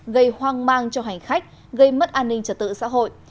gây hoang mang cho hành khách gây mất an ninh trật tự xã hội